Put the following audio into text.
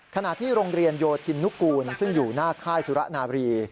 ขณะที่โรงเรียนโยธินนุกูลซึ่งอยู่หน้าค่ายสุระนาบรี